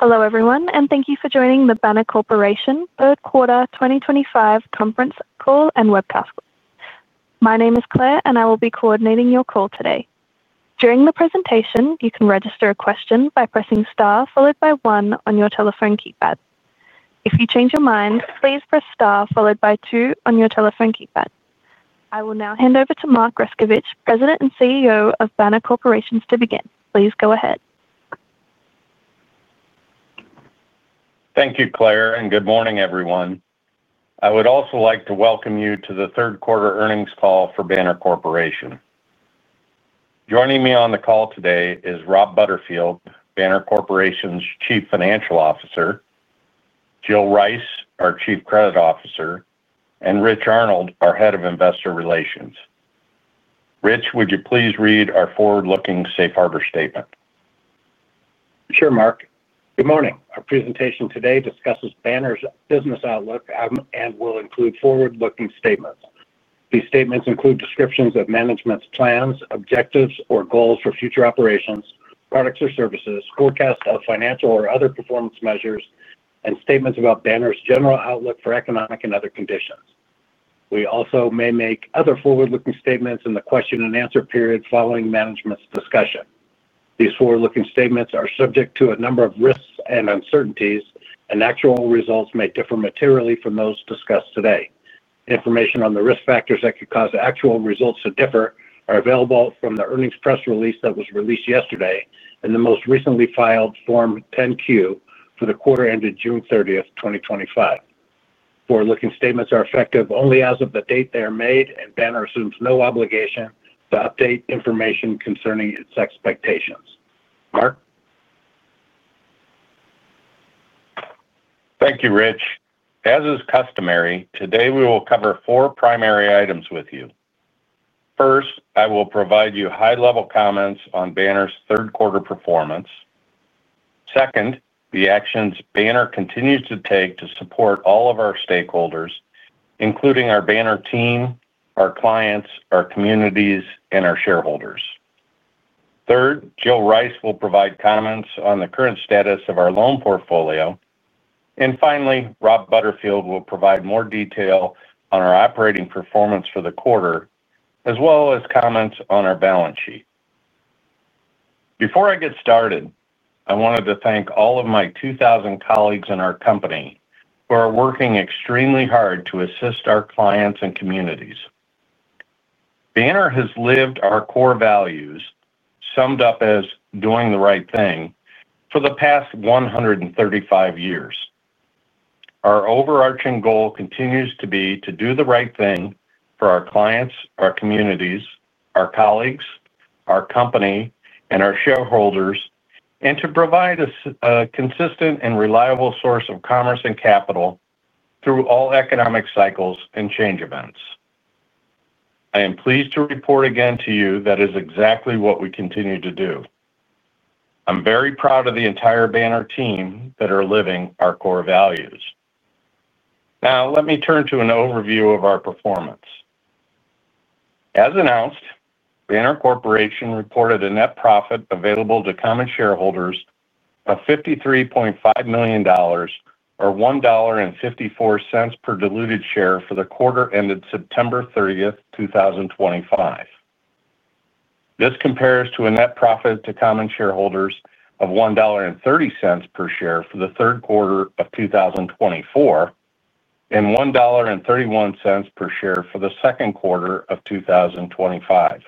Hello everyone, and thank you for joining the Banner Corporation third quarter 2025 conference call and webcast. My name is Claire, and I will be coordinating your call today. During the presentation, you can register a question by pressing star followed by one on your telephone keypad. If you change your mind, please press star followed by two on your telephone keypad. I will now hand over to Mark Grescovich, President and CEO of Banner Corporation, to begin. Please go ahead. Thank you, Claire, and good morning, everyone. I would also like to welcome you to the third quarter earnings call for Banner Corporation. Joining me on the call today is Rob Butterfield, Banner Corporation's Chief Financial Officer, Jill Rice, our Chief Credit Officer, and Rich Arnold, our Head of Investor Relations. Rich, would you please read our forward-looking safe harbor statement? Sure, Mark. Good morning. Our presentation today discusses Banner's business outlook and will include forward-looking statements. These statements include descriptions of management's plans, objectives, or goals for future operations, products or services, forecasts of financial or other performance measures, and statements about Banner's general outlook for economic and other conditions. We also may make other forward-looking statements in the question-and-answer period following management's discussion. These forward-looking statements are subject to a number of risks and uncertainties, and actual results may differ materially from those discussed today. Information on the risk factors that could cause actual results to differ is available from the earnings press release that was released yesterday and the most recently filed Form 10-Q for the quarter ended June 30th, 2025. Forward-looking statements are effective only as of the date they are made, and Banner assumes no obligation to update information concerning its expectations. Mark. Thank you, Rich. As is customary, today we will cover four primary items with you. First, I will provide you high-level comments on Banner's third quarter performance. Second, the actions Banner continues to take to support all of our stakeholders, including our Banner team, our clients, our communities, and our shareholders. Third, Jill Rice will provide comments on the current status of our loan portfolio. Finally, Rob Butterfield will provide more detail on our operating performance for the quarter, as well as comments on our balance sheet. Before I get started, I wanted to thank all of my 2,000 colleagues in our company who are working extremely hard to assist our clients and communities. Banner has lived our core values, summed up as "doing the right thing," for the past 135 years. Our overarching goal continues to be to do the right thing for our clients, our communities, our colleagues, our company, and our shareholders, and to provide a consistent and reliable source of commerce and capital through all economic cycles and change events. I am pleased to report again to you that is exactly what we continue to do. I'm very proud of the entire Banner team that is living our core values. Now, let me turn to an overview of our performance. As announced, Banner Corporation reported a net profit available to common shareholders of $53.5 million or $1.54 per diluted share for the quarter ended September 30th, 2025. This compares to a net profit to common shareholders of $1.30 per share for the third quarter of 2024 and $1.31 per share for the second quarter of 2025.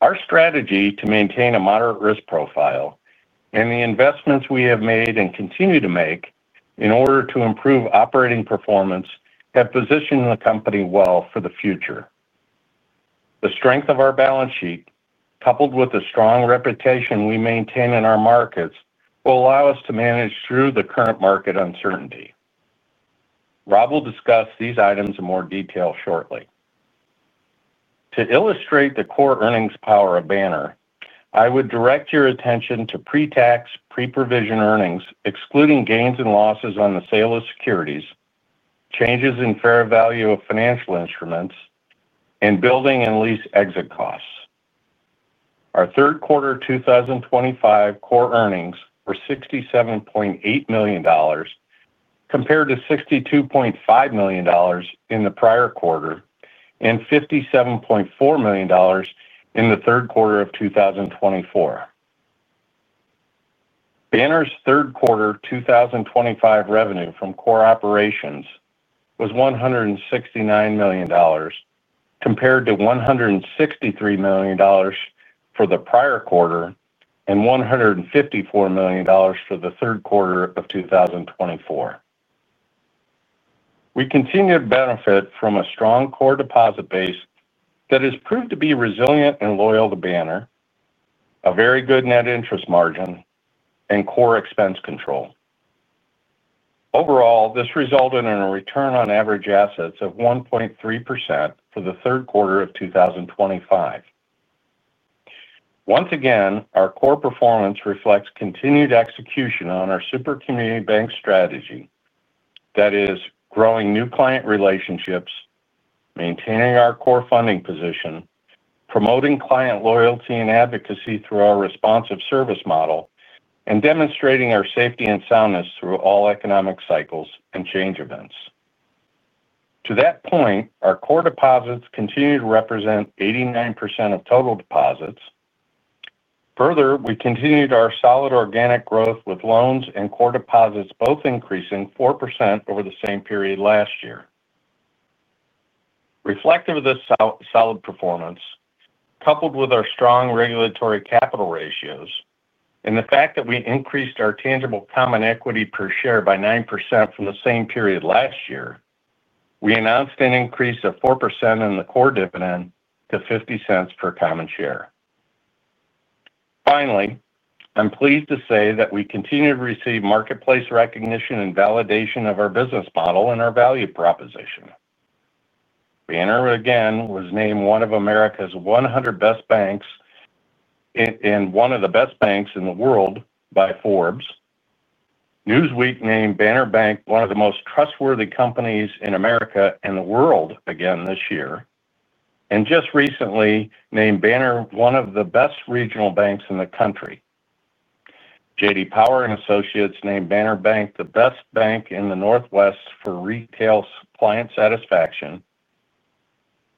Our strategy to maintain a moderate risk profile and the investments we have made and continue to make in order to improve operating performance have positioned the company well for the future. The strength of our balance sheet, coupled with the strong reputation we maintain in our markets, will allow us to manage through the current market uncertainty. Rob will discuss these items in more detail shortly. To illustrate the core earnings power of Banner, I would direct your attention to pre-tax, pre-provision earnings, excluding gains and losses on the sale of securities, changes in fair value of financial instruments, and building and lease exit costs. Our third quarter 2025 core earnings were $67.8 million, compared to $62.5 million in the prior quarter, and $57.4 million in the third quarter of 2024. Banner's third quarter 2025 revenue from core operations was $169 million, compared to $163 million for the prior quarter and $154 million for the third quarter of 2024. We continue to benefit from a strong core deposit base that has proved to be resilient and loyal to Banner, a very good net interest margin, and core expense control. Overall, this resulted in a return on average assets of 1.3% for the third quarter of 2025. Once again, our core performance reflects continued execution on our supercommunity bank strategy, that is, growing new client relationships, maintaining our core funding position, promoting client loyalty and advocacy through our responsive service model, and demonstrating our safety and soundness through all economic cycles and change events. To that point, our core deposits continue to represent 89% of total deposits. Further, we continued our solid organic growth with loans and core deposits both increasing 4% over the same period last year. Reflective of this solid performance, coupled with our strong regulatory capital ratios and the fact that we increased our tangible common equity per share by 9% from the same period last year, we announced an increase of 4% in the core dividend to $0.50 per common share. Finally, I'm pleased to say that we continue to receive marketplace recognition and validation of our business model and our value proposition. Banner, again, was named one of America's 100 best banks and one of the best banks in the world by Forbes. Newsweek named Banner Bank one of the most trustworthy companies in America and the world again this year, and just recently named Banner one of the best regional banks in the country. J.D. Power and Associates named Banner Bank the best bank in the Northwest for retail client satisfaction.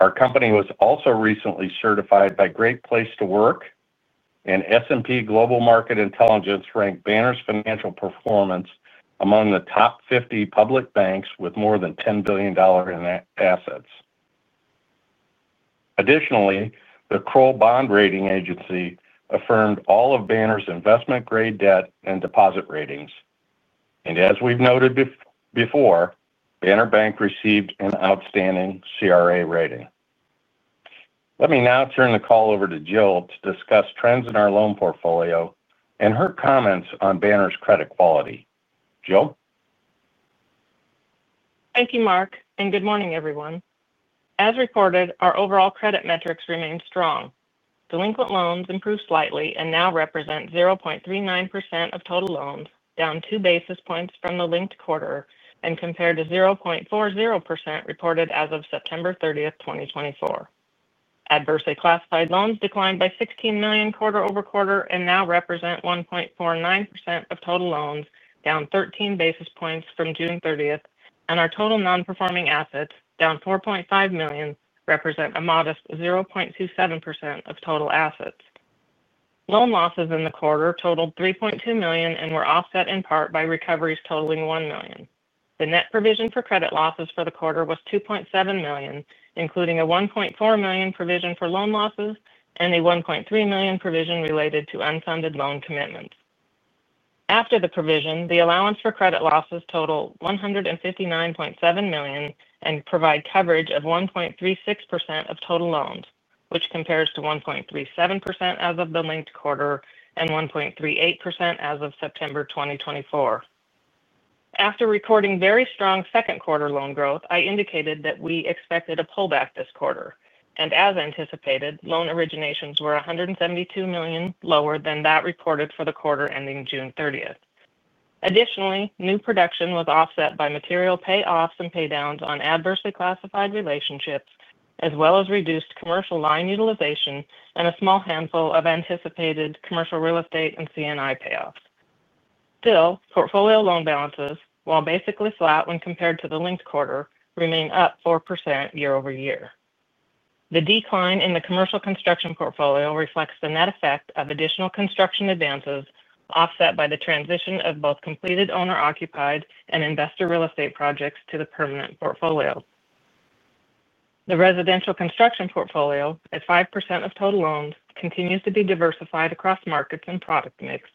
Our company was also recently certified by Great Place to Work, and S&P Global Market Intelligence ranked Banner's financial performance among the top 50 public banks with more than $10 billion in assets. Additionally, the Kroll Bond Rating Agency affirmed all of Banner's investment-grade debt and deposit ratings. As we've noted before, Banner Bank received an outstanding CRA rating. Let me now turn the call over to Jill to discuss trends in our loan portfolio and her comments on Banner's credit quality. Jill? Thank you, Mark, and good morning, everyone. As reported, our overall credit metrics remain strong. Delinquent loans improved slightly and now represent 0.39% of total loans, down two basis points from the linked quarter and compared to 0.40% reported as of September 30th, 2024. Adversely classified loans declined by $16 million quarter-over-quarter and now represent 1.49% of total loans, down 13 basis points from June 30th, and our total non-performing assets, down $4.5 million, represent a modest 0.27% of total assets. Loan losses in the quarter totaled $3.2 million and were offset in part by recoveries totaling $1 million. The net provision for credit losses for the quarter was $2.7 million, including a $1.4 million provision for loan losses and a $1.3 million provision related to unfunded loan commitments. After the provision, the allowance for credit losses totaled $159.7 million and provide coverage of 1.36% of total loans, which compares to 1.37% as of the linked quarter and 1.38% as of September 2024. After recording very strong second quarter loan growth, I indicated that we expected a pullback this quarter. As anticipated, loan originations were $172 million lower than that reported for the quarter ending June 30th. Additionally, new production was offset by material payoffs and paydowns on adversely classified relationships, as well as reduced commercial line utilization and a small handful of anticipated commercial real estate and CNI payoffs. Still, portfolio loan balances, while basically flat when compared to the linked quarter, remain up 4% year-over-year. The decline in the commercial construction portfolio reflects the net effect of additional construction advances offset by the transition of both completed owner-occupied and investor real estate projects to the permanent portfolio. The residential construction portfolio, at 5% of total loans, continues to be diversified across markets and product mix.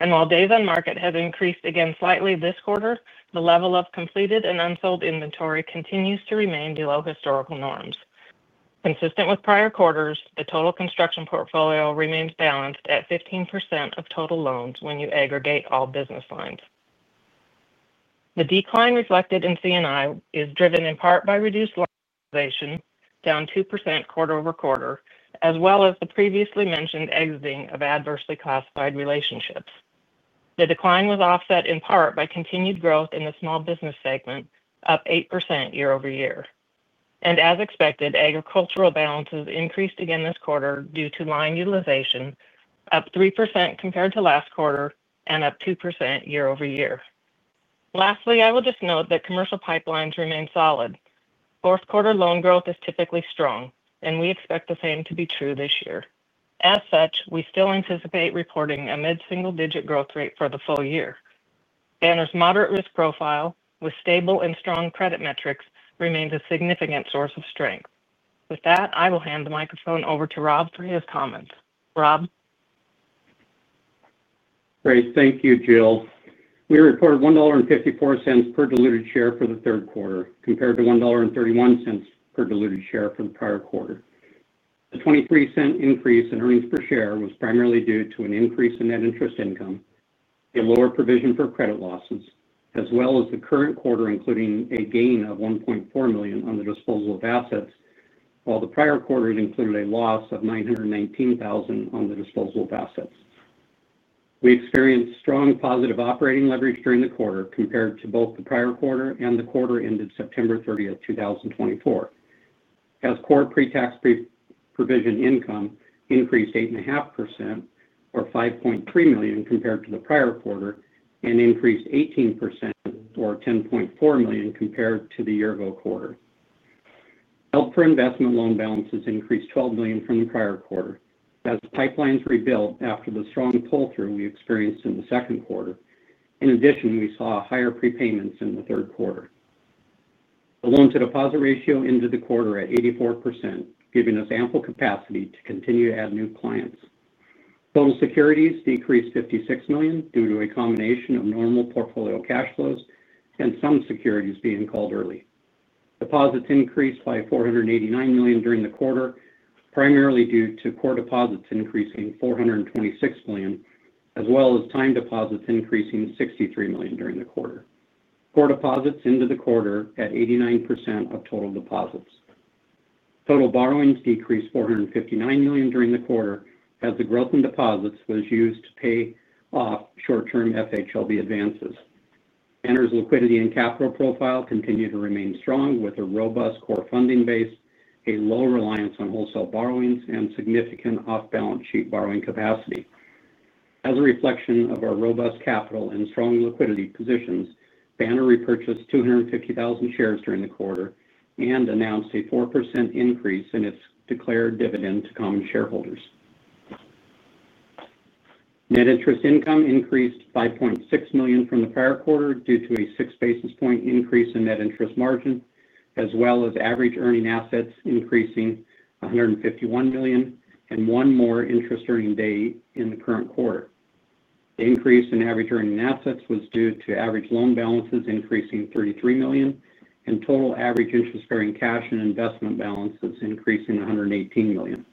While days on market have increased again slightly this quarter, the level of completed and unsold inventory continues to remain below historical norms. Consistent with prior quarters, the total construction portfolio remains balanced at 15% of total loans when you aggregate all business lines. The decline reflected in CNI is driven in part by reduced loan utilization, down 2% quarter over quarter, as well as the previously mentioned exiting of adversely classified relationships. The decline was offset in part by continued growth in the small business segment, up 8% year-over-year. As expected, agricultural balances increased again this quarter due to line utilization, up 3% compared to last quarter and up 2% year-over-year. Lastly, I will just note that commercial pipelines remain solid. Fourth quarter loan growth is typically strong, and we expect the same to be true this year. As such, we still anticipate reporting a mid-single-digit growth rate for the full year. Banner's moderate risk profile, with stable and strong credit metrics, remains a significant source of strength. With that, I will hand the microphone over to Rob for his comments. Rob? Great. Thank you, Jill. We reported $1.54 per diluted share for the third quarter, compared to $1.31 per diluted share for the prior quarter. The $0.23 increase in earnings per share was primarily due to an increase in net interest income, a lower provision for credit losses, as well as the current quarter including a gain of $1.4 million on the disposal of assets, while the prior quarter included a loss of $919,000 on the disposal of assets. We experienced strong positive operating leverage during the quarter compared to both the prior quarter and the quarter ended September 30th, 2024, as core pre-tax, pre-provision income increased 8.5% or $5.3 million compared to the prior quarter and increased 18% or $10.4 million compared to the year-ago quarter. Held for investment loan balances increased $12 million from the prior quarter as pipelines rebuilt after the strong pull-through we experienced in the second quarter. In addition, we saw higher prepayments in the third quarter. The loan-to-deposit ratio ended the quarter at 84%, giving us ample capacity to continue to add new clients. Total securities decreased $56 million due to a combination of normal portfolio cash flows and some securities being called early. Deposits increased by $489 million during the quarter, primarily due to core deposits increasing $426 million, as well as time deposits increasing $63 million during the quarter. Core deposits ended the quarter at 89% of total deposits. Total borrowings decreased $459 million during the quarter, as the growth in deposits was used to pay off short-term FHLB advances. Banner's liquidity and capital profile continue to remain strong with a robust core funding base, a low reliance on wholesale borrowings, and significant off-balance sheet borrowing capacity. As a reflection of our robust capital and strong liquidity positions, Banner repurchased 250,000 shares during the quarter and announced a 4% increase in its declared dividend to common shareholders. Net interest income increased by $0.6 million from the prior quarter due to a six basis point increase in net interest margin, as well as average earning assets increasing $151 million and one more interest-earning day in the current quarter. The increase in average earning assets was due to average loan balances increasing $33 million and total average interest-earning cash and investment balances increasing $118 million.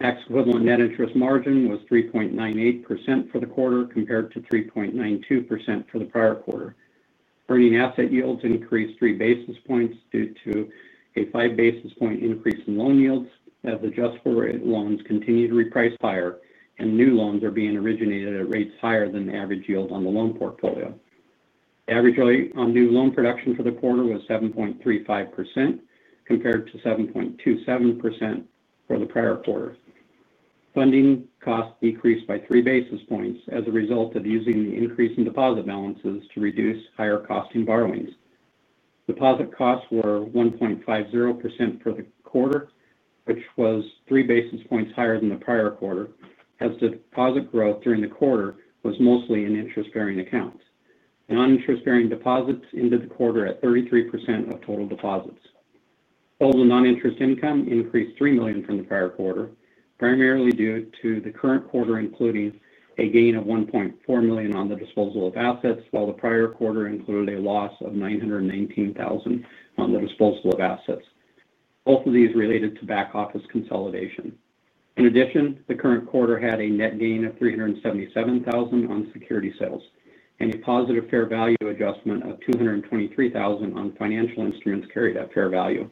Ex-equivalent net interest margin was 3.98% for the quarter compared to 3.92% for the prior quarter. Earning asset yields increased three basis points due to a five-basis point increase in loan yields, as adjustable rate loans continue to reprice higher and new loans are being originated at rates higher than the average yield on the loan portfolio. The average rate on new loan production for the quarter was 7.35% compared to 7.27% for the prior quarter. Funding costs decreased by three basis points as a result of using the increase in deposit balances to reduce higher costing borrowings. Deposit costs were 1.50% for the quarter, which was three basis points higher than the prior quarter, as the deposit growth during the quarter was mostly in interest-bearing accounts. Non-interest-bearing deposits ended the quarter at 33% of total deposits. Total non-interest income increased $3 million from the prior quarter, primarily due to the current quarter including a gain of $1.4 million on the disposal of assets, while the prior quarter included a loss of $919,000 on the disposal of assets. Both of these related to back-office consolidation. In addition, the current quarter had a net gain of $377,000 on security sales and a positive fair value adjustment of $223,000 on financial instruments carried at fair value.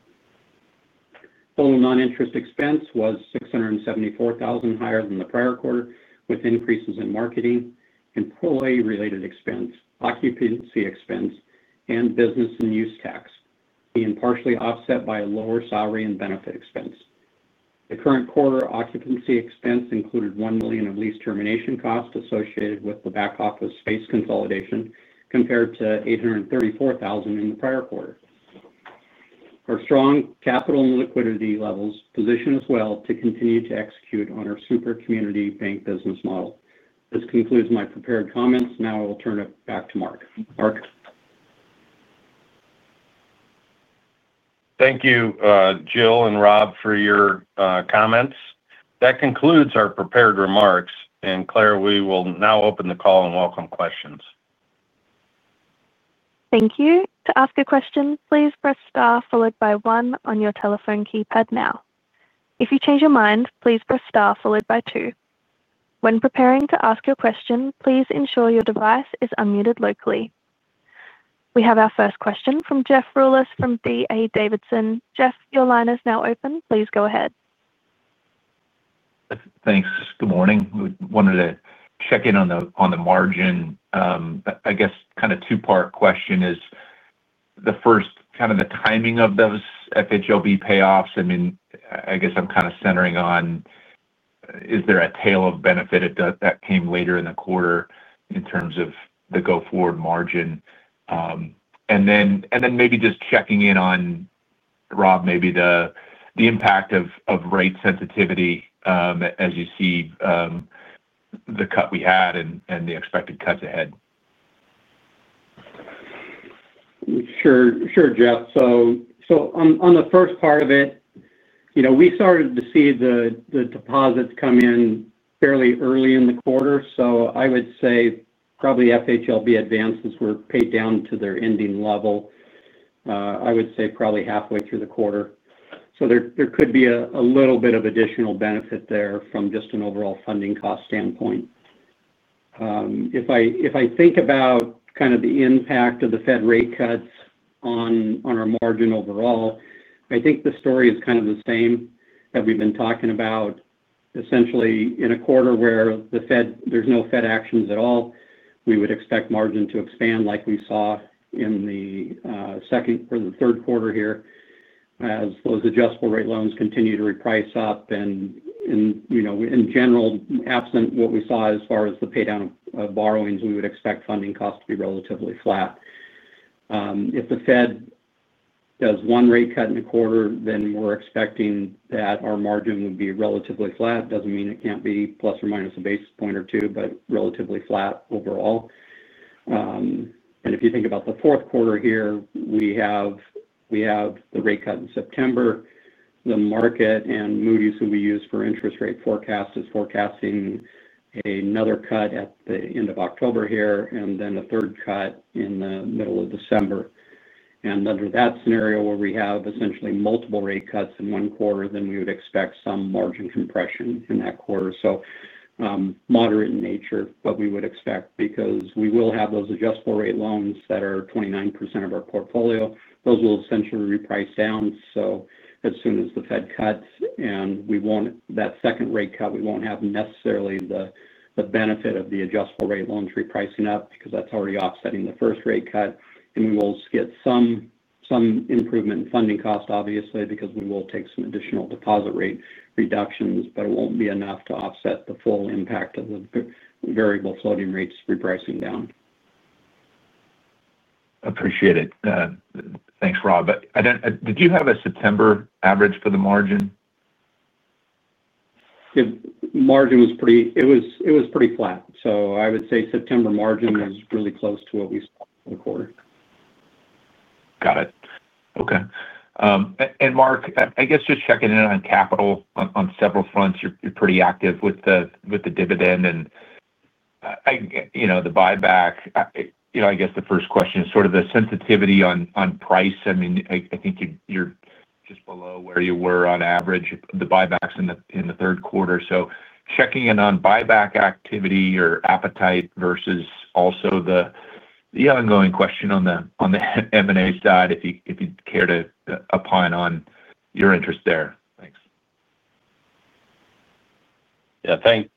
Total non-interest expense was $674,000 higher than the prior quarter, with increases in marketing and pool A related expense, occupancy expense, and business and use tax, being partially offset by a lower salary and benefit expense. The current quarter occupancy expense included $1 million of lease termination costs associated with the back-office space consolidation, compared to $834,000 in the prior quarter. Our strong capital and liquidity levels position us well to continue to execute on our supercommunity bank business model. This concludes my prepared comments. Now I will turn it back to Mark. Thank you, Jill and Rob, for your comments. That concludes our prepared remarks. Claire, we will now open the call and welcome questions. Thank you. To ask a question, please press star followed by one on your telephone keypad now. If you change your mind, please press star followed by two. When preparing to ask your question, please ensure your device is unmuted locally. We have our first question from Jeff Rulis from D.A. Davidson. Jeff, your line is now open. Please go ahead. Thanks. Good morning. We wanted to check in on the margin. I guess kind of a two-part question is the first, kind of the timing of those FHLB payoffs. I mean, I guess I'm kind of centering on, is there a tail of benefit that came later in the quarter in terms of the go-forward margin? Maybe just checking in on, Rob, maybe the impact of rate sensitivity as you see the cut we had and the expected cuts ahead. Sure, Jeff. On the first part of it, we started to see the deposits come in fairly early in the quarter. I would say probably FHLB advances were paid down to their ending level about halfway through the quarter. There could be a little bit of additional benefit there from just an overall funding cost standpoint. If I think about the impact of the Fed rate cuts on our margin overall, the story is kind of the same that we've been talking about. Essentially, in a quarter where there's no Fed actions at all, we would expect margin to expand like we saw in the second or the third quarter here as those adjustable rate loans continue to reprice up. In general, absent what we saw as far as the paydown of borrowings, we would expect funding costs to be relatively flat. If the Fed does one rate cut in a quarter, then we're expecting that our margin would be relatively flat. It doesn't mean it can't be plus or minus a basis point or two, but relatively flat overall. If you think about the fourth quarter here, we have the rate cut in September. The market and Moody's, who we use for interest rate forecasts, is forecasting another cut at the end of October and then a third cut in the middle of December. Under that scenario, where we have essentially multiple rate cuts in one quarter, we would expect some margin compression in that quarter. Moderate in nature, but we would expect because we will have those adjustable rate loans that are 29% of our portfolio. Those will essentially reprice down. As soon as the Fed cuts and we want that second rate cut, we won't have necessarily the benefit of the adjustable rate loans repricing up because that's already offsetting the first rate cut. We will get some improvement in funding costs, obviously, because we will take some additional deposit rate reductions, but it won't be enough to offset the full impact of the variable floating rates repricing down. Appreciate it. Thanks, Rob. Did you have a September average for the margin? The margin was pretty flat. I would say September margin was really close to what we saw for the quarter. Got it. Okay. Mark, I guess just checking in on capital on several fronts. You're pretty active with the dividend and the buyback. The first question is sort of the sensitivity on price. I mean, I think you're just below where you were on average, the buybacks in the third quarter. Checking in on buyback activity or appetite versus also the ongoing question on the M&A side, if you'd care to opine on your interest there. Thanks.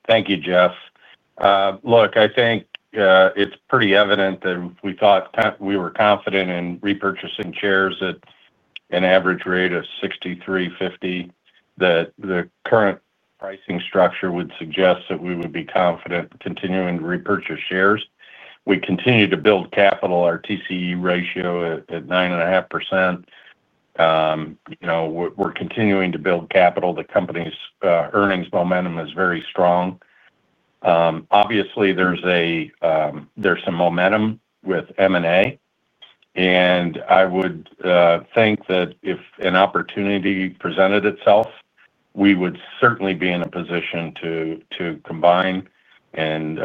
Thank you, Jeff. Look, I think it's pretty evident that we thought we were confident in repurchasing shares at an average rate of $63.50, that the current pricing structure would suggest that we would be confident in continuing to repurchase shares. We continue to build capital. Our TCE ratio at 9.5%. We're continuing to build capital. The company's earnings momentum is very strong. Obviously, there's some momentum with M&A. I would think that if an opportunity presented itself, we would certainly be in a position to combine and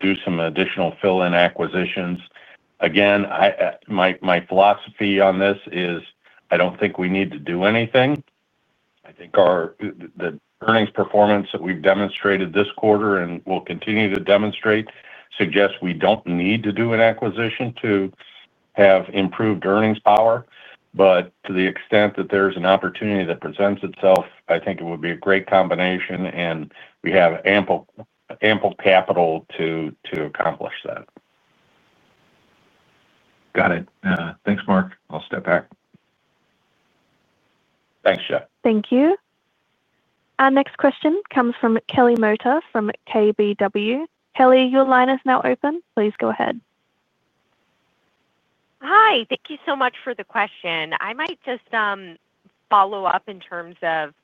do some additional fill-in acquisitions. Again, my philosophy on this is I don't think we need to do anything. I think the earnings performance that we've demonstrated this quarter and will continue to demonstrate suggests we don't need to do an acquisition to have improved earnings power. To the extent that there's an opportunity that presents itself, I think it would be a great combination, and we have ample capital to accomplish that. Got it. Thanks, Mark. I'll step back. Thanks, Jeff. Thank you. Our next question comes from Kelly Motta from KBW. Kelly, your line is now open. Please go ahead. Hi. Thank you so much for the question. I might just follow up in terms of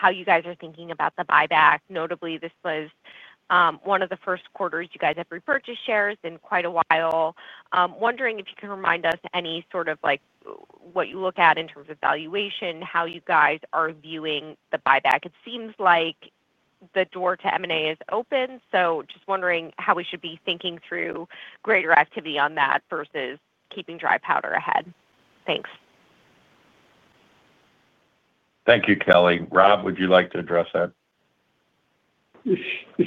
how you guys are thinking about the buyback. Notably, this was one of the first quarters you guys have repurchased shares in quite a while. Wondering if you can remind us any sort of like what you look at in terms of valuation, how you guys are viewing the buyback. It seems like the door to M&A is open. Just wondering how we should be thinking through greater activity on that versus keeping dry powder ahead. Thanks. Thank you, Kelly. Rob, would you like to address that?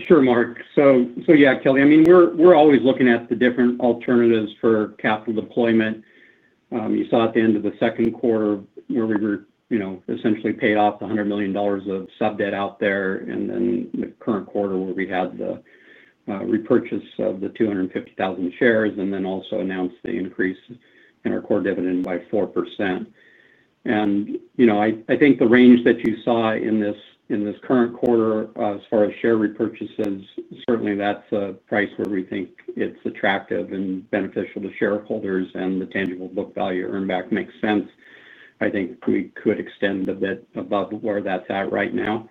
Sure, Mark. Yeah, Kelly, I mean, we're always looking at the different alternatives for capital deployment. You saw at the end of the second quarter where we essentially paid off the $100 million of sub debt out there, and then the current quarter where we had the repurchase of the 250,000 shares and also announced the increase in our core dividend by 4%. I think the range that you saw in this current quarter as far as share repurchases, certainly that's a price where we think it's attractive and beneficial to shareholders, and the tangible book value earned back makes sense. I think we could extend a bit above where that's at right now.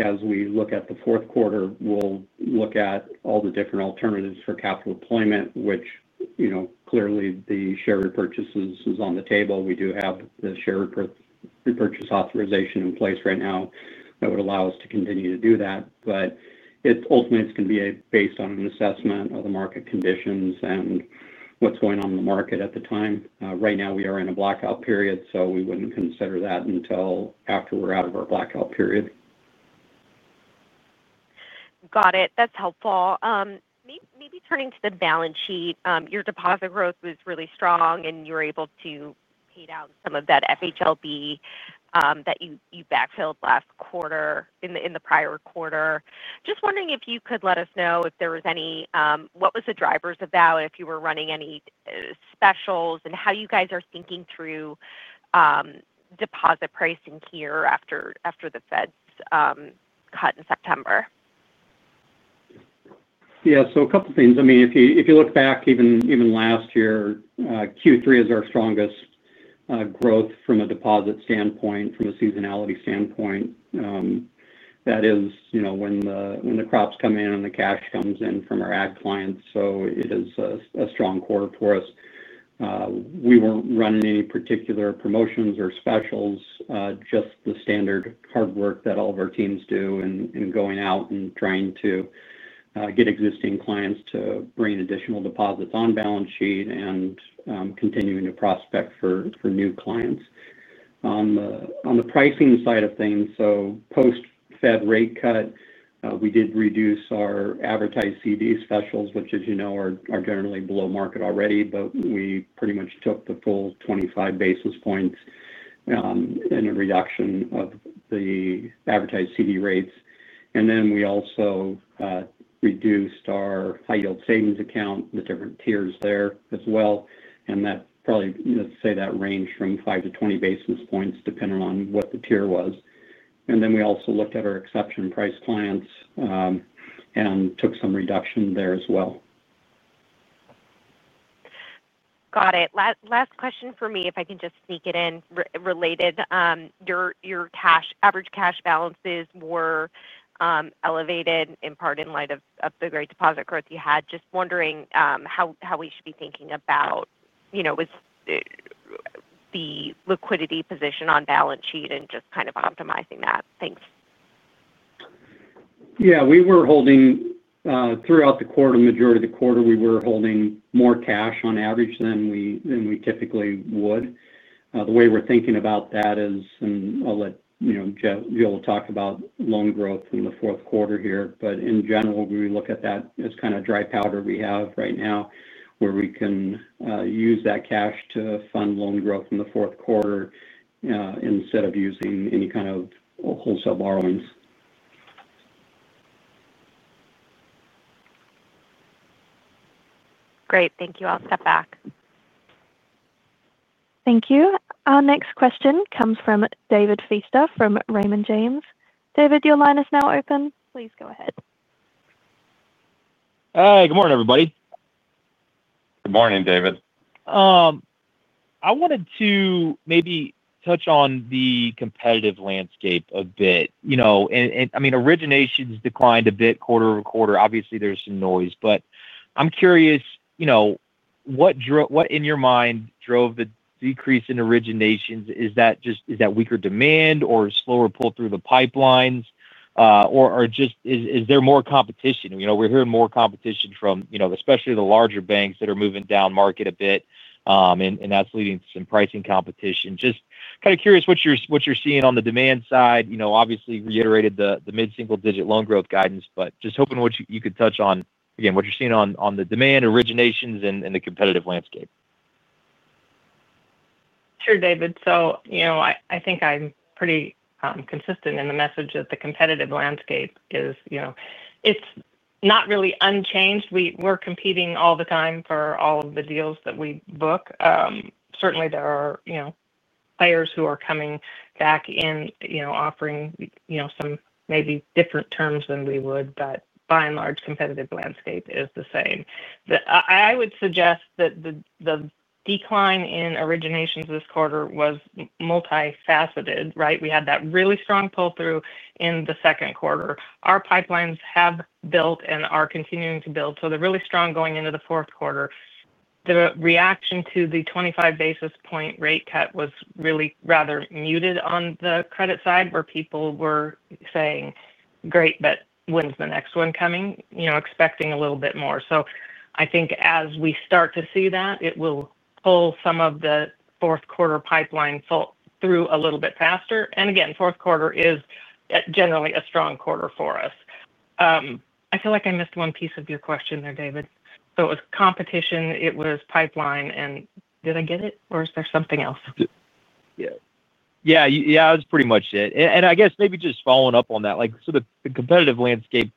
As we look at the fourth quarter, we'll look at all the different alternatives for capital deployment, which clearly the share repurchases is on the table. We do have the share repurchase authorization in place right now that would allow us to continue to do that. Ultimately, it's going to be based on an assessment of the market conditions and what's going on in the market at the time. Right now, we are in a blackout period, so we wouldn't consider that until after we're out of our blackout period. Got it. That's helpful. Maybe turning to the balance sheet, your deposit growth was really strong, and you were able to pay down some of that FHLB advances that you backfilled last quarter in the prior quarter. Just wondering if you could let us know if there was any, what was the drivers of that, if you were running any specials, and how you guys are thinking through deposit pricing here after the Fed's cut in September. Yeah. A couple of things. If you look back even last year, Q3 is our strongest growth from a deposit standpoint, from a seasonality standpoint. That is when the crops come in and the cash comes in from our ag clients. It is a strong quarter for us. We weren't running any particular promotions or specials, just the standard hard work that all of our teams do in going out and trying to get existing clients to bring additional deposits on balance sheet and continuing to prospect for new clients. On the pricing side of things, post-Fed rate cut, we did reduce our advertised CD specials, which, as you know, are generally below market already, but we pretty much took the full 25 basis points in a reduction of the advertised CD rates. We also reduced our high-yield savings account, the different tiers there as well. That probably ranged from 5-20 basis points depending on what the tier was. We also looked at our exception price clients and took some reduction there as well. Got it. Last question for me, if I can just sneak it in related. Your average cash balances were elevated in part in light of the great deposit growth you had. Just wondering how we should be thinking about the liquidity position on balance sheet and just kind of optimizing that. Thanks. We were holding throughout the quarter, the majority of the quarter, we were holding more cash on average than we typically would. The way we're thinking about that is, and I'll let Jill talk about loan growth in the fourth quarter here, but in general, we look at that as kind of dry powder we have right now where we can use that cash to fund loan growth in the fourth quarter instead of using any kind of wholesale borrowings. Great, thank you. I'll step back. Thank you. Our next question comes from David Feaster from Raymond James. David, your line is now open. Please go ahead. Hey, good morning, everybody. Good morning, David. I wanted to maybe touch on the competitive landscape a bit. You know, originations declined a bit quarter-over-quarter. Obviously, there's some noise. I'm curious, you know, what in your mind drove the decrease in originations? Is that just weaker demand or slower pull-through in the pipelines, or is there more competition? You know, we're hearing more competition from especially the larger banks that are moving down market a bit, and that's leading to some pricing competition. Just kind of curious what you're seeing on the demand side. You know, obviously, reiterated the mid-single-digit loan growth guidance, but just hoping you could touch on again what you're seeing on the demand, originations, and the competitive landscape. Sure, David. I think I'm pretty consistent in the message that the competitive landscape is not really unchanged. We're competing all the time for all of the deals that we book. Certainly, there are players who are coming back in, offering some maybe different terms than we would, but by and large, the competitive landscape is the same. I would suggest that the decline in originations this quarter was multifaceted, right? We had that really strong pull-through in the second quarter. Our pipelines have built and are continuing to build. They're really strong going into the fourth quarter. The reaction to the 25-basis-point rate cut was really rather muted on the credit side, where people were saying, "Great, but when's the next one coming?" expecting a little bit more. I think as we start to see that, it will pull some of the fourth-quarter pipeline through a little bit faster. The fourth quarter is generally a strong quarter for us. I feel like I missed one piece of your question there, David. It was competition, it was pipeline, and did I get it, or is there something else? Yeah, that was pretty much it. I guess maybe just following up on that, like the competitive landscape,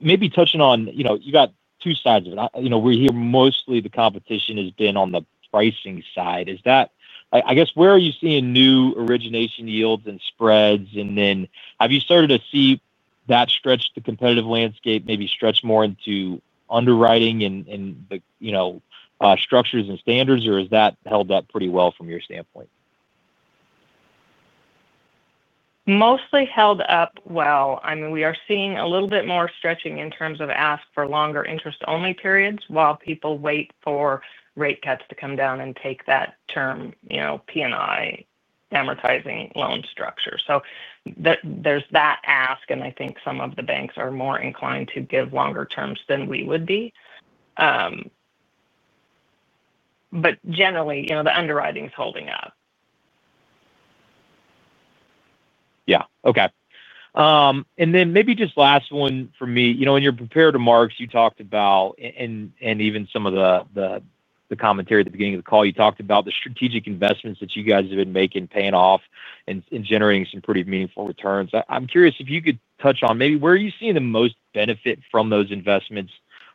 maybe touching on, you know, you got two sides of it. We're here, mostly the competition has been on the pricing side. Is that, I guess, where are you seeing new origination yields and spreads? Have you started to see that stretch the competitive landscape, maybe stretch more into underwriting and the structures and standards, or has that held up pretty well from your standpoint? Mostly held up well. I mean, we are seeing a little bit more stretching in terms of ask for longer interest-only periods while people wait for rate cuts to come down and take that term, you know, P&I, amortizing loan structure. There is that ask, and I think some of the banks are more inclined to give longer terms than we would be. Generally, you know, the underwriting is holding up. Okay. Maybe just last one for me. On your prepared remarks, you talked about, and even some of the commentary at the beginning of the call, you talked about the strategic investments that you guys have been making, paying off, and generating some pretty meaningful returns. I'm curious if you could touch on maybe where you're seeing the most benefit from those investments,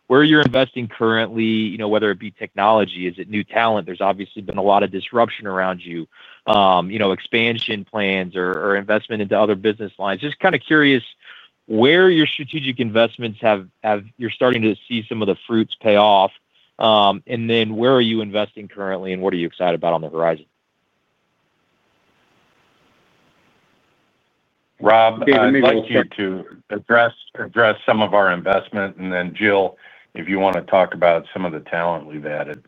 where you're investing currently, whether it be technology, is it new talent? There's obviously been a lot of disruption around you, expansion plans or investment into other business lines. Just kind of curious where your strategic investments have, you're starting to see some of the fruits pay off, and then where are you investing currently, and what are you excited about on the horizon? Rob, I'd like to address some of our investment, and then Jill, if you want to talk about some of the talent we've added.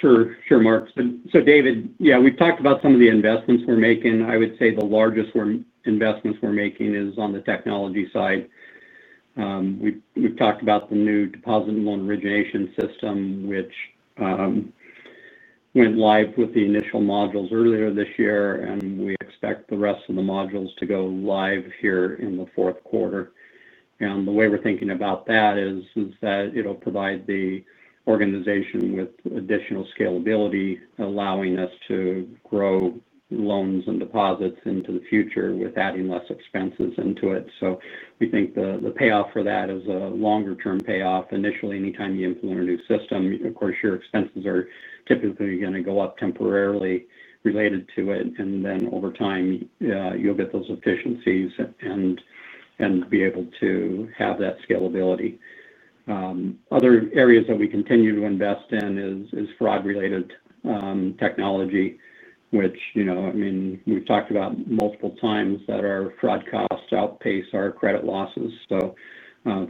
Sure. Sure, Mark. So David, we've talked about some of the investments we're making. I would say the largest investments we're making is on the technology side. We've talked about the new deposit and loan origination system, which went live with the initial modules earlier this year, and we expect the rest of the modules to go live here in the fourth quarter. The way we're thinking about that is that it'll provide the organization with additional scalability, allowing us to grow loans and deposits into the future with adding less expenses into it. We think the payoff for that is a longer-term payoff. Initially, anytime you implement a new system, of course, your expenses are typically going to go up temporarily related to it. Over time, you'll get those efficiencies and be able to have that scalability. Other areas that we continue to invest in is fraud-related technology, which, you know, we've talked about multiple times that our fraud costs outpace our credit losses.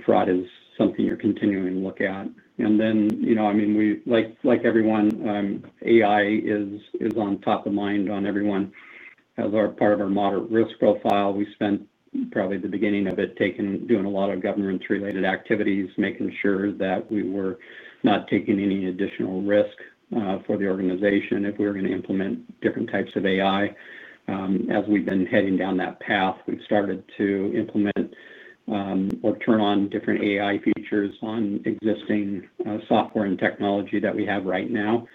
Fraud is something you're continuing to look at. You know, like everyone, AI is on top of mind on everyone as part of our moderate risk profile. We spent probably the beginning of it doing a lot of governance-related activities, making sure that we were not taking any additional risk for the organization if we were going to implement different types of AI. As we've been heading down that path, we've started to implement or turn on different AI features on existing software and technology that we have right now.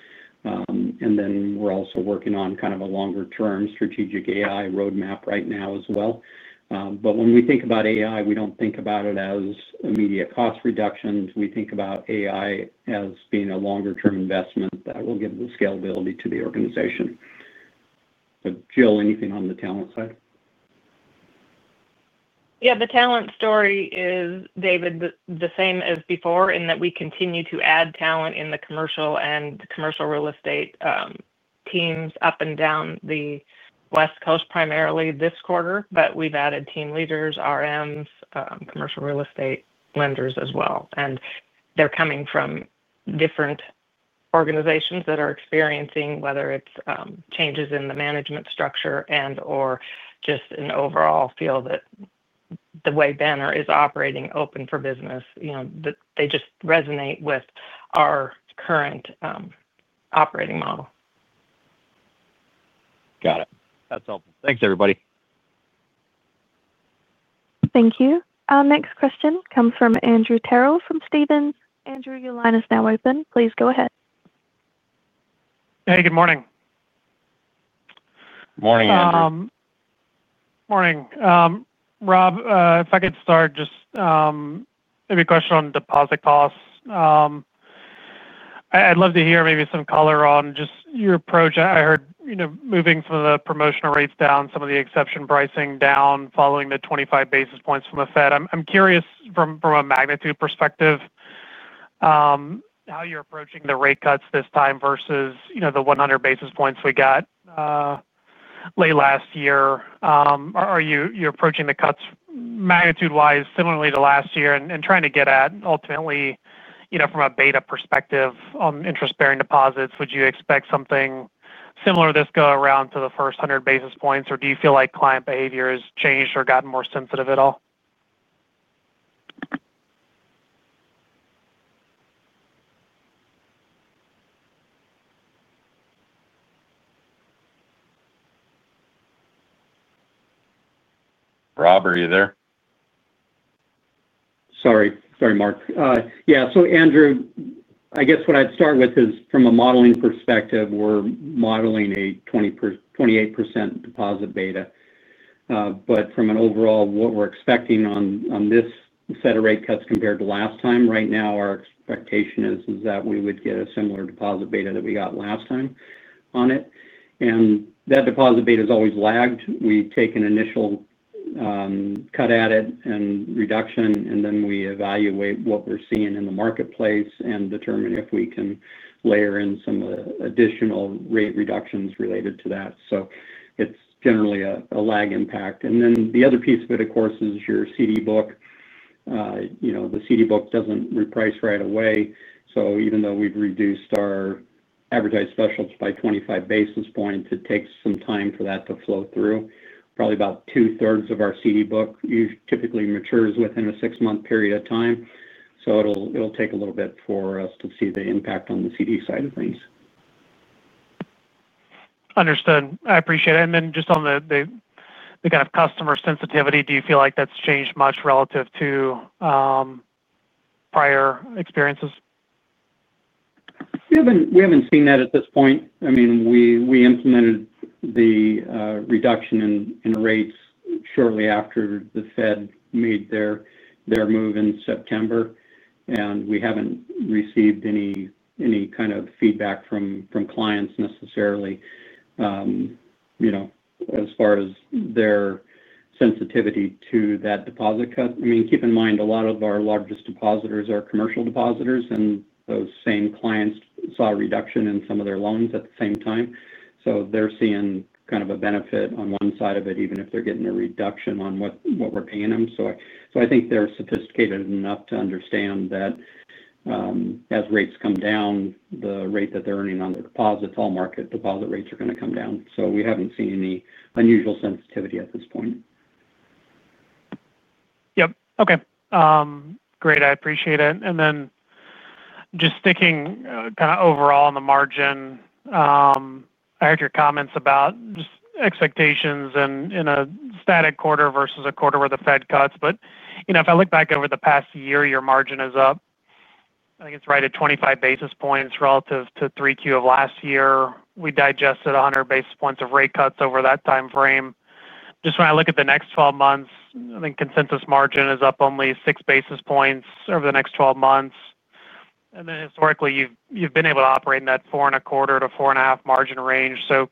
We're also working on kind of a longer-term strategic AI roadmap right now as well. When we think about AI, we don't think about it as immediate cost reductions. We think about AI as being a longer-term investment that will give the scalability to the organization. Jill, anything on the talent side? Yeah. The talent story is, David, the same as before in that we continue to add talent in the commercial and commercial real estate teams up and down the West Coast primarily this quarter. We've added team leaders, RMs, commercial real estate lenders as well. They're coming from different organizations that are experiencing, whether it's changes in the management structure and/or just an overall feel that the way Banner is operating open for business, you know, that they just resonate with our current operating model. Got it. That's helpful. Thanks, everybody. Thank you. Our next question comes from Andrew Terrell from Stephens. Andrew, your line is now open. Please go ahead. Hey, good morning. Morning, Andrew. Morning. Rob, if I could start, just maybe a question on deposit costs. I'd love to hear maybe some color on just your approach. I heard moving some of the promotional rates down, some of the exception pricing down following the 25 basis points from the Fed. I'm curious from a magnitude perspective how you're approaching the rate cuts this time versus the 100 basis points we got late last year. Are you approaching the cuts magnitude-wise similarly to last year and trying to get at, ultimately, from a beta perspective on interest-bearing deposits, would you expect something similar this go around to the first 100 basis points, or do you feel like client behavior has changed or gotten more sensitive at all? Rob, are you there? Sorry, Mark. Yeah. So Andrew, I guess what I'd start with is from a modeling perspective, we're modeling a 28% deposit beta. From an overall, what we're expecting on this set of rate cuts compared to last time, right now, our expectation is that we would get a similar deposit beta that we got last time on it. That deposit beta is always lagged. We take an initial cut at it and reduction, and then we evaluate what we're seeing in the marketplace and determine if we can layer in some of the additional rate reductions related to that. It's generally a lag impact. The other piece of it, of course, is your CD book. The CD book doesn't reprice right away. Even though we've reduced our advertised specials by 25 basis points, it takes some time for that to flow through. Probably about 2/3 of our CD book usually typically matures within a six-month period of time. It'll take a little bit for us to see the impact on the CD side of things. Understood. I appreciate it. Just on the kind of customer sensitivity, do you feel like that's changed much relative to prior experiences? We haven't seen that at this point. I mean, we implemented the reduction in rates shortly after the Fed made their move in September, and we haven't received any kind of feedback from clients necessarily as far as their sensitivity to that deposit cut. Keep in mind, a lot of our largest depositors are commercial depositors, and those same clients saw a reduction in some of their loans at the same time. They're seeing kind of a benefit on one side of it, even if they're getting a reduction on what we're paying them. I think they're sophisticated enough to understand that as rates come down, the rate that they're earning on their deposits, all market deposit rates are going to come down. We haven't seen any unusual sensitivity at this point. Okay. Great. I appreciate it. Just thinking kind of overall on the margin, I heard your comments about expectations in a static quarter versus a quarter where the Fed cuts. If I look back over the past year, your margin is up. I think it's right at 25 basis points relative to 3Q of last year. We digested 100 basis points of rate cuts over that timeframe. When I look at the next 12 months, I think consensus margin is up only 6 basis points over the next 12 months. Historically, you've been able to operate in that 4.25%-4.5% margin range. I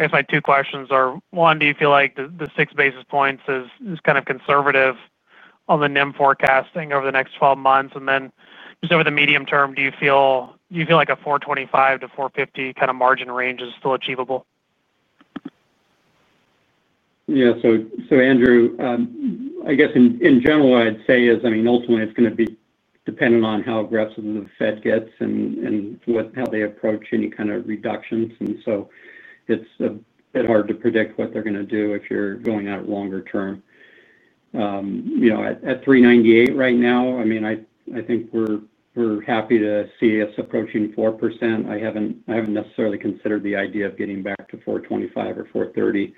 guess my two questions are, one, do you feel like the 6 basis points is kind of conservative on the NIM forecasting over the next 12 months? Over the medium-term, do you feel like a 4.25%-4.50% kind of margin range is still achievable? Yeah. Andrew, I guess in general, what I'd say is, ultimately, it's going to be dependent on how aggressive the Fed gets and how they approach any kind of reductions. It's a bit hard to predict what they're going to do if you're going at it longer-term. At 3.98% right now, I think we're happy to see us approaching 4%. I haven't necessarily considered the idea of getting back to 4.25% or 4.30%.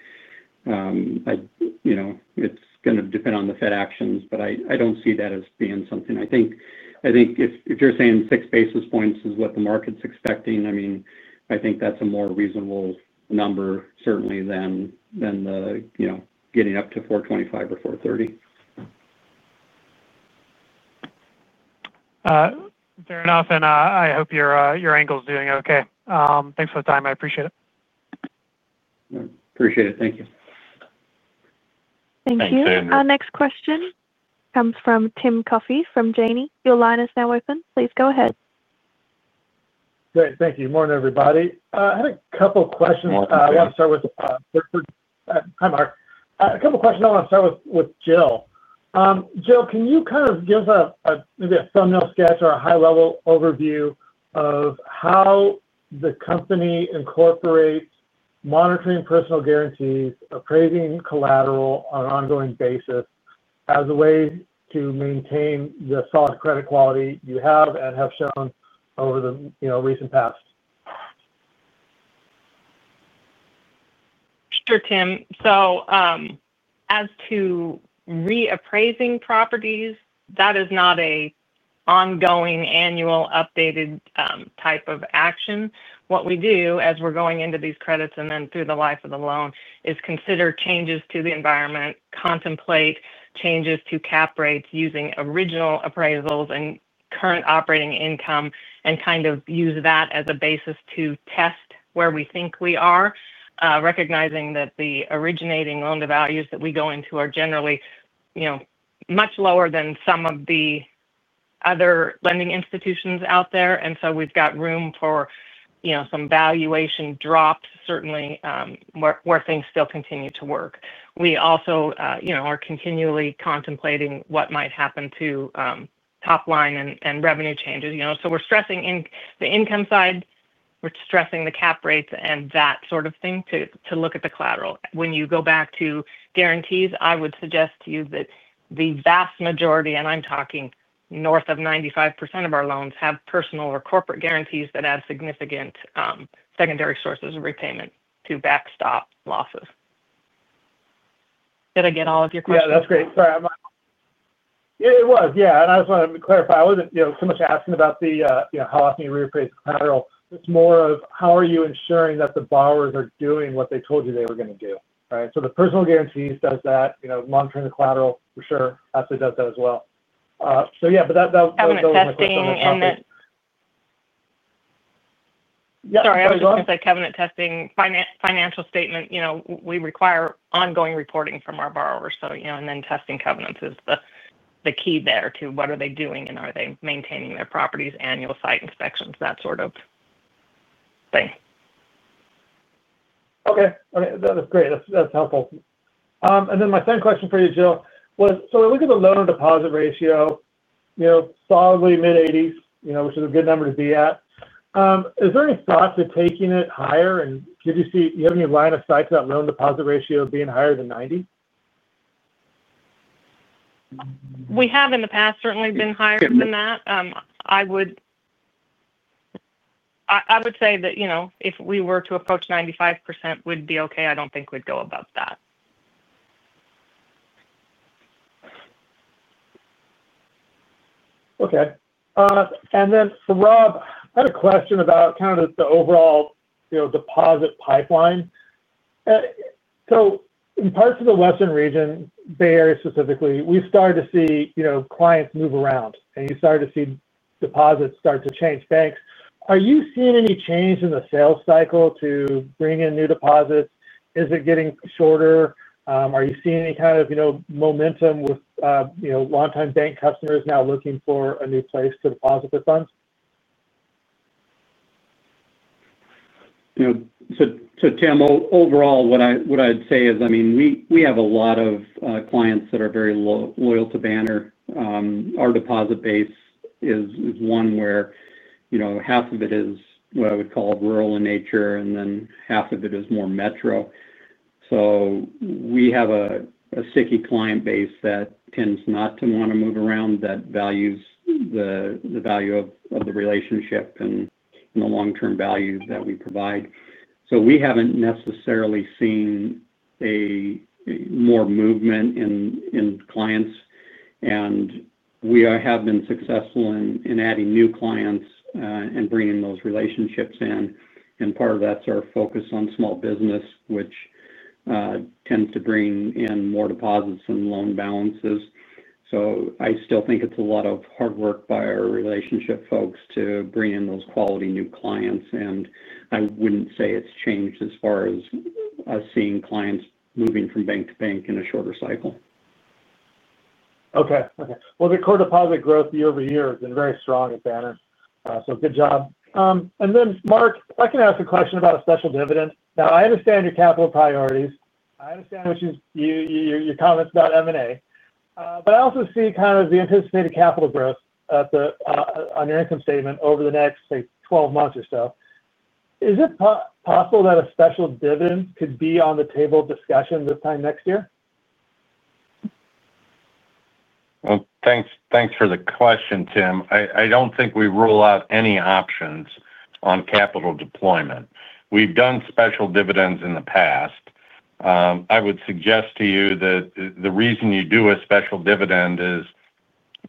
It's going to depend on the Fed actions, but I don't see that as being something. I think if you're saying 6 basis points is what the market's expecting, I think that's a more reasonable number, certainly, than getting up to 4.25% or 4.30%. Fair enough. I hope your ankle is doing okay. Thanks for the time. I appreciate it. Appreciate it. Thank you. Thank you. Our next question comes from Tim Coffey from Janney. Your line is now open. Please go ahead. Great. Thank you. Good morning, everybody. I had a couple of questions. I want to start with, morning Mark. A couple of questions I want to start with Jill. Jill, can you kind of give us maybe a thumbnail sketch or a high-level overview of how the company incorporates monitoring personal guarantees, appraising collateral on an ongoing basis as a way to maintain the solid credit quality you have and have shown over the recent past? Sure, Tim. As to reappraising properties, that is not an ongoing annual updated type of action. What we do as we're going into these credits and then through the life of the loan is consider changes to the environment, contemplate changes to cap rates using original appraisals and current operating income, and use that as a basis to test where we think we are, recognizing that the originating loan to values that we go into are generally much lower than some of the other lending institutions out there. We have room for some valuation drops, certainly, where things still continue to work. We also are continually contemplating what might happen to top line and revenue changes. We're stressing the income side. We're stressing the cap rates and that sort of thing to look at the collateral. When you go back to guarantees, I would suggest to you that the vast majority, and I'm talking north of 95% of our loans, have personal or corporate guarantees that have significant secondary sources of repayment to backstop losses. Did I get all of your questions? That's great. Yeah. I just wanted to clarify, I wasn't so much asking about how often you reappraise the collateral. It's more of how are you ensuring that the borrowers are doing what they told you they were going to do, right? The personal guarantees do that. Monitoring the collateral, for sure, absolutely does that as well. Those are my questions on the topic. Sorry. Go ahead. I was going to say covenant testing, financial statement. We require ongoing reporting from our borrowers, and then testing covenants is the key there to what are they doing and are they maintaining their properties, annual site inspections, that sort of thing. Okay. That's great. That's helpful. My second question for you, Jill, was, when we look at the loan-to-deposit ratio, solidly mid-80s, which is a good number to be at. Is there any thought to taking it higher? Could you see, do you have any line of sight to that loan-to-deposit ratio being higher than 90%? We have in the past certainly been higher than that. I would say that, you know, if we were to approach 95%, we'd be okay. I don't think we'd go above that. Okay. For Rob, I had a question about kind of the overall deposit pipeline. In parts of the western region, Bay Area specifically, we started to see clients move around, and you started to see deposits start to change. Banks, are you seeing any change in the sales cycle to bring in new deposits? Is it getting shorter? Are you seeing any kind of momentum with long-time bank customers now looking for a new place to deposit their funds? Tim, overall, what I'd say is we have a lot of clients that are very loyal to Banner. Our deposit base is one where half of it is what I would call rural in nature, and then half of it is more metro. We have a sticky client base that tends not to want to move around, that values the value of the relationship and the long-term value that we provide. We haven't necessarily seen more movement in clients. We have been successful in adding new clients and bringing those relationships in. Part of that's our focus on small business, which tends to bring in more deposits and loan balances. I still think it's a lot of hard work by our relationship folks to bring in those quality new clients. I wouldn't say it's changed as far as us seeing clients moving from bank to bank in a shorter cycle. Okay. The core deposit growth year-over-year has been very strong at Banner. Good job. Mark, I can ask a question about a special dividend. I understand your capital priorities. I understand your comments about M&A. I also see the anticipated capital growth on your income statement over the next, say, 12 months or so. Is it possible that a special dividend could be on the table of discussion this time next year? Thank you for the question, Tim. I don't think we rule out any options on capital deployment. We've done special dividends in the past. I would suggest to you that the reason you do a special dividend is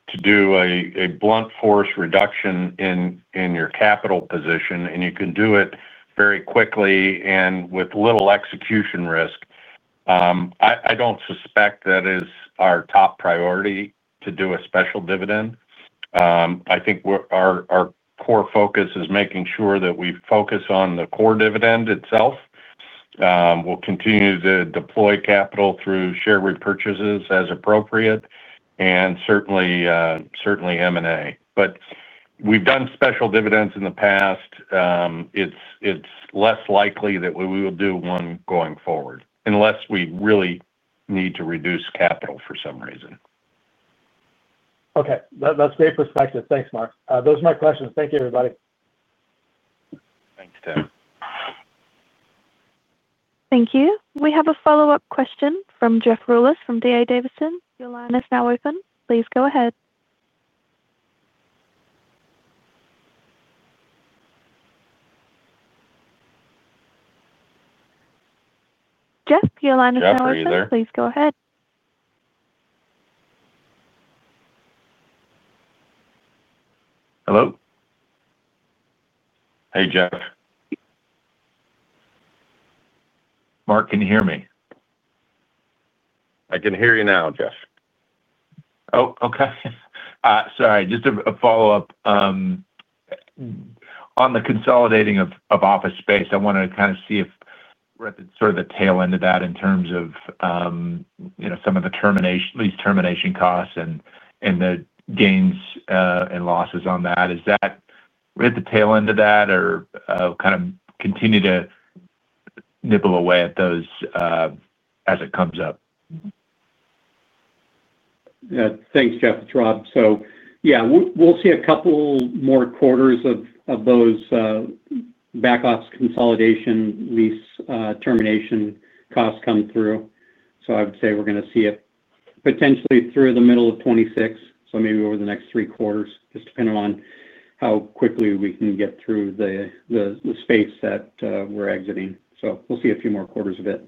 to do a blunt force reduction in your capital position. You can do it very quickly and with little execution risk. I don't suspect that is our top priority to do a special dividend. I think our core focus is making sure that we focus on the core dividend itself. We'll continue to deploy capital through share repurchases as appropriate and certainly M&A. We've done special dividends in the past. It's less likely that we will do one going forward unless we really need to reduce capital for some reason. Okay. That's great perspective. Thanks, Mark. Those are my questions. Thank you, everybody. Thanks, Tim. Thank you. We have a follow-up question from Jeff Rulis from D.A. Davidson. Your line is now open. Please go ahead. Jeff, your line is now open. Please go ahead. Hello? Hey, Jeff. Mark, can you hear me? I can hear you now, Jeff. Oh, okay. Sorry. Just a follow-up. On the consolidating of office space, I want to kind of see if we're at the tail end of that in terms of, you know, some of the lease termination costs and the gains and losses on that. Is that we're at the tail end of that or kind of continue to nibble away at those as it comes up? Yeah. Thanks, Jeff. It's Rob. We'll see a couple more quarters of those back-office consolidation lease termination costs come through. I would say we're going to see it potentially through the middle of 2026, so maybe over the next three quarters, just depending on how quickly we can get through the space that we're exiting. We'll see a few more quarters of it.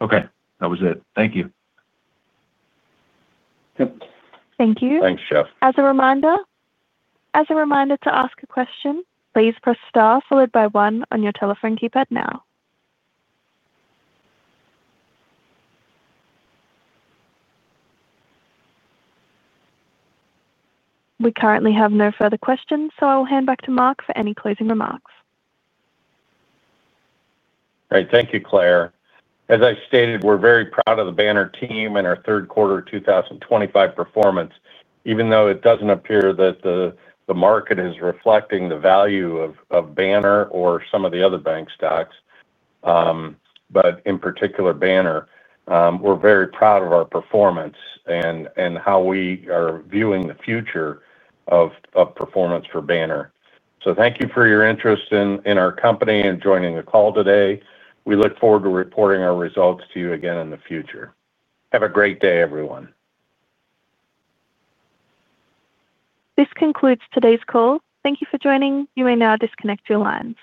Okay, that was it. Thank you. Thanks Jeff Thank you. Thanks, Jeff. As a reminder, to ask a question, please press star followed by one on your telephone keypad now. We currently have no further questions, so I will hand back to Mark for any closing remarks. Great. Thank you, Claire. As I stated, we're very proud of the Banner team and our third-quarter 2025 performance, even though it doesn't appear that the market is reflecting the value of Banner or some of the other bank stocks, in particular, Banner. We're very proud of our performance and how we are viewing the future of performance for Banner. Thank you for your interest in our company and joining the call today. We look forward to reporting our results to you again in the future. Have a great day, everyone. This concludes today's call. Thank you for joining. You may now disconnect your lines.